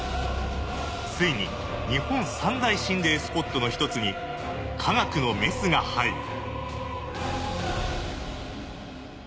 ついに日本三大心霊スポットの一つに科学のメスが入る。